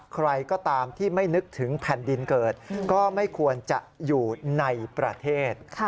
ใครก็ตามที่ไม่นึกถึงแผ่นดินเกิดก็ไม่ควรจะอยู่ในประเทศ